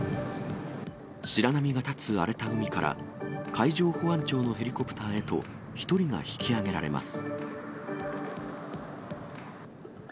白波が立つ荒れた海から、海上保安庁のヘリコプターへと１人が引き上げられます。